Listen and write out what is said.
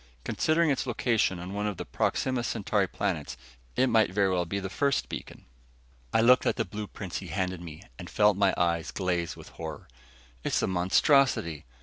Considering its location on one of the Proxima Centauri planets, it might very well be the first beacon." I looked at the blueprints he handed me and felt my eyes glaze with horror. "It's a monstrosity!